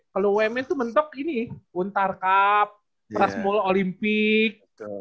kalo wmn tuh mentok ini untar cup prasmul olimpik